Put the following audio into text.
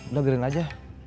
udah garing aja